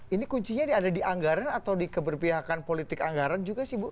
ini kuncinya ada di anggaran atau di keberpihakan politik anggaran juga sih bu